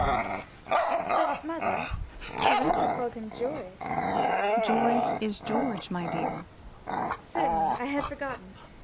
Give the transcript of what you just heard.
"But, mother," she said, "Arenta called him Joris." "Joris is George, my dear." "Certainly, I had forgotten.